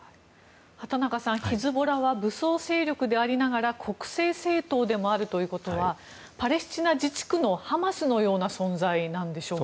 畑中さん、ヒズボラは武装勢力でありながら国政政党でもあるということはパレスチナ自治区のハマスのような存在なんでしょうか。